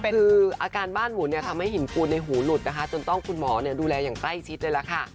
คืออาการบ้านหมุนเนี่ยทำให้หินปูนในหูหลุดนะคะจนต้องคุณหมอดูแลอย่างใกล้ชิดเลยล่ะค่ะ